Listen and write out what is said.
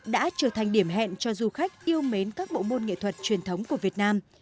đã trở thành điểm hẹn cho du khách yêu mến các bộ môn nghệ thuật truyền thống của việt nam